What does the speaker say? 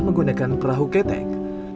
menggunakan perahu ketek